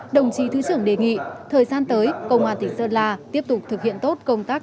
đồng chí thứ trưởng đề nghị thời gian tới công an tỉnh sơn la tiếp tục thực hiện tốt công tác